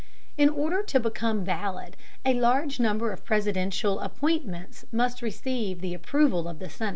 In order to become valid, a large number of Presidential appointments must receive the approval of the Senate.